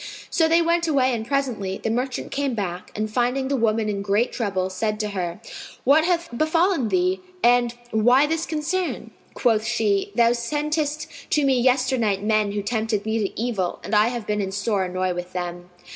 So they went away and presently, the merchant came back and finding the woman in great trouble, said to her, "What hath befallen thee and why this concern?" Quoth she, "Thou sentest to me yesternight men who tempted me to evil, and I have been in sore annoy with them."